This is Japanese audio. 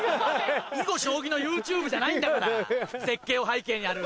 囲碁将棋のＹｏｕＴｕｂｅじゃないんだから絶景を背景にやる。